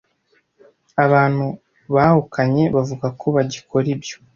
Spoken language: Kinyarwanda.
abantu bahukanye bavuga ko bagikora ibyo